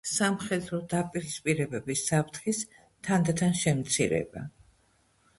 სამხედრო დაპირისპირებების საფრთხის თანდათან შემცირება